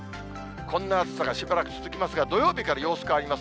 こんな暑さがしばらく続きますが、土曜日から様子変わります。